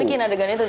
kita bikin adegan itu